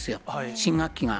新学期が。